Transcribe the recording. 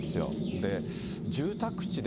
で、住宅地で、